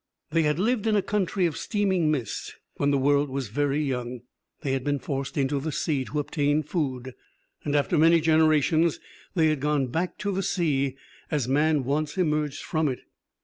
They had lived in a country of steaming mist, when the world was very young. They had been forced into the sea to obtain food, and after many generations they had gone back to the sea as man once emerged from it.